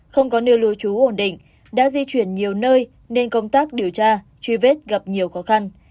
không có nơi lưu trú ổn định đã di chuyển nhiều nơi nên công tác điều tra truy vết gặp nhiều khó khăn